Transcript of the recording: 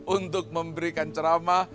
untuk memberikan ceramah